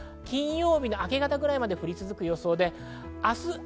金曜日な明け方くらいまで降り続く予想です。